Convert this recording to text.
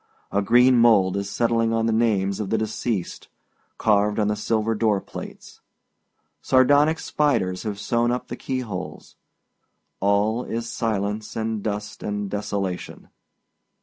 A green mould is settling on the names of the deceased, carved on the silver door plates. Sardonic spiders have sewed up the key holes. All is silence and dust and desolation.